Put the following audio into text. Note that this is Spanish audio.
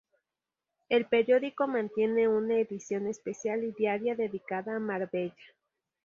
El periódico mantiene una edición especial y diaria dedicada a Marbella.